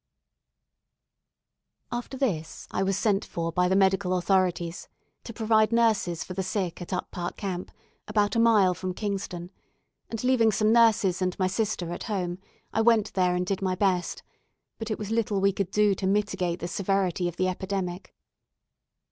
After this, I was sent for by the medical authorities to provide nurses for the sick at Up Park Camp, about a mile from Kingston; and leaving some nurses and my sister at home, I went there and did my best; but it was little we could do to mitigate the severity of the epidemic.